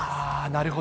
なるほど。